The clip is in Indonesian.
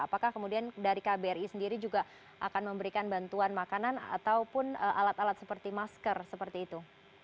apakah kemudian dari kbri sendiri juga akan memberikan bantuan makanan ataupun alat alat seperti masker seperti itu